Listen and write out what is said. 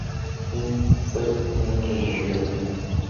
Princip fue detenido de inmediato.